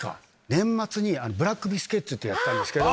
年末にブラックビスケッツってやったんですけど。